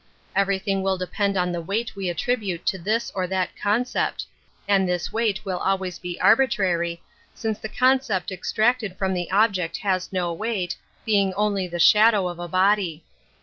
Everything will depend on the weight we attribute to this or that concept, and this weight will always be arbitrary, since the concept ex tracted from the object has no weight, being only the shadow of a body.